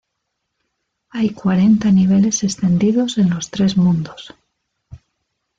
Hay cuarenta niveles extendidos en los tres mundos.